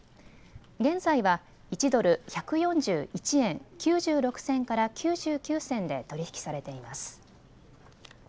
現在は１ドル１４１円９６銭から９９銭で取り引きされています。